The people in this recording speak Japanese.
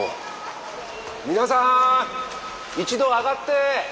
皆さん一度上がって！